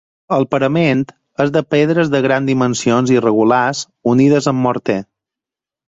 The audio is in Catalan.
El parament és de pedres de grans dimensions irregulars unides amb morter.